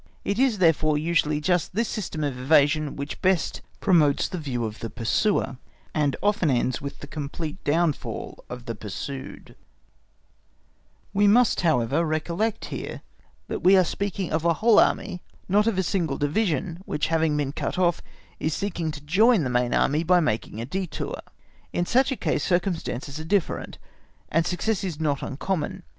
It is therefore usually just this system of evasion which best, promotes the view of the pursuer, and often ends with the complete downfall of the pursued; we must, however, recollect here that we are speaking of a whole Army, not of a single Division, which, having been cut off, is seeking to join the main Army by making a détour; in such a case circumstances are different, and success is not uncommon.